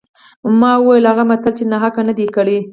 ما وویل هغه متل یې ناحقه نه دی کړی.